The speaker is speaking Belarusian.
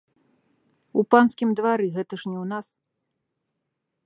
У панскім двары, гэта ж не ў нас.